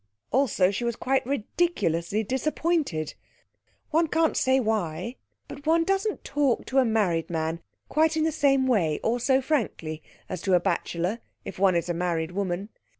Also, she was quite ridiculously disappointed. One can't say why, but one doesn't talk to a married man quite in the same way or so frankly as to a bachelor if one is a married woman.